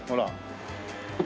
ほら。